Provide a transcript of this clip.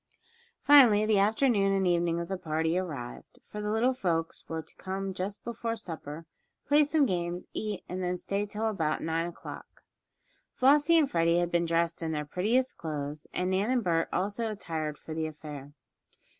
Finally the afternoon and evening of the party arrived, for the little folks were to come just before supper, play some games, eat, and then stay until about nine o'clock. Flossie and Freddie had been dressed in their prettiest clothes, and Nan and Bert also attired for the affair.